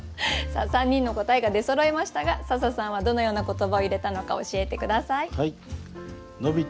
さあ３人の答えが出そろいましたが笹さんはどのような言葉を入れたのか教えて下さい。